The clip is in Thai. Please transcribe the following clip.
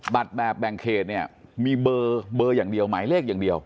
แบบแบ่งเขตเนี่ยมีเบอร์อย่างเดียวหมายเลขอย่างเดียว